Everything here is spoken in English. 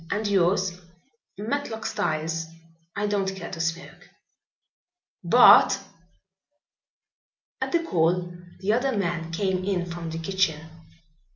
And yours?" "Matlock Styles. I don't care to smoke." "Bart!" At the call the other man came in from the kitchen.